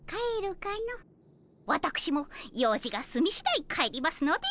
わたくしもようじがすみしだい帰りますので。